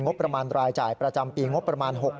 ประมาณรายจ่ายประจำปีงบประมาณ๖๐